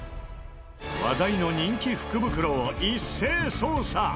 話題の人気福袋を一斉捜査！